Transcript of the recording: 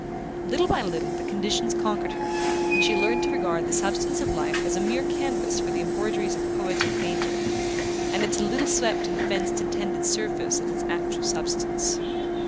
Little by little the conditions conquered her, and she learned to regard the substance of life as a mere canvas for the embroideries of poet and painter, and its little swept and fenced and tended surface as its actual substance.